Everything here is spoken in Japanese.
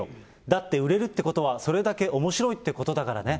だって売れるってことは、それだけおもしろいっていうことだからね。